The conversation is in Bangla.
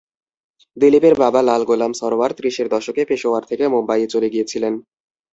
দিলীপের বাবা লালা গোলাম সরয়ার ত্রিশের দশকে পেশোয়ার থেকে মুম্বাইয়ে চলে গিয়েছিলেন।